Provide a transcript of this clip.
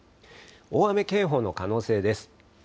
大雨警報の可能性です。